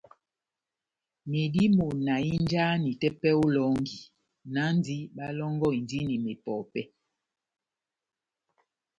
Medimɔ́ na hínjahani tepɛhɛ ó elɔngi, náhndi bálɔ́ngɔhindini mepɔpɛ́.